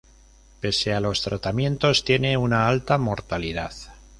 Pese a los tratamientos, tiene una alta mortalidad.